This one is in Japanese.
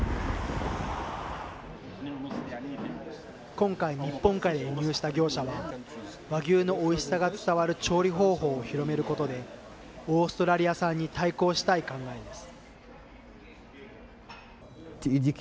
今回日本から輸入した業者は和牛のおいしさが伝わる調理方法を広めることでオーストリア産に対抗したい考えです。